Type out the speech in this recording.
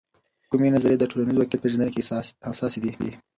کومې نظریې د ټولنیز واقعیت پیژندنې کې حساسې دي؟